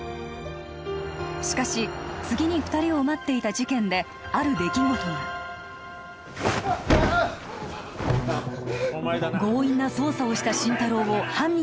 しかし次に二人を待っていた事件である出来事が強引な捜査をした心太朗を犯人